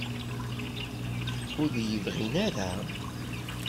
Ur d-iyi-bɣin ara?